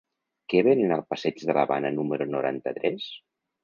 Què venen al passeig de l'Havana número noranta-tres?